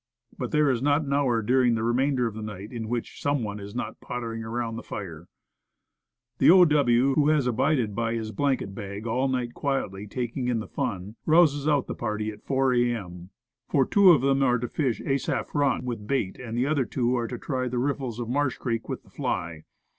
But, there is not an hour during the remainder of the night in which some one is not pot tering about the fire. The O. W., who has abided by his blanket bag all night quietly taking in the fun rouses out the party at 4 A. M. For two of them are to fish Asaph Run with bait, and the other two are to try the riffles of Marsh Creek with the fly.